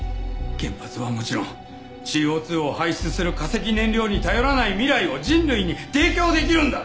原発はもちろんＣＯ２を排出する化石燃料に頼らない未来を人類に提供できるんだ！